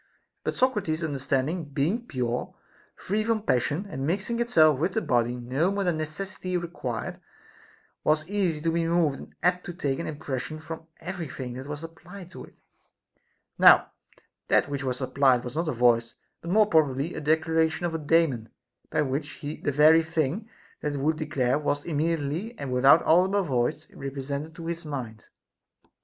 But Socrates's understanding being pure, free from passion, and mixing itself with the body no more than necessity required, was easy to be moved and apt to take an impression from every thing that was applied to it ; now that which was applied was not a voice, but more probably a declaration of a Daemon, by which the very thing that it would declare was immediately and without audible voice represented to his mind.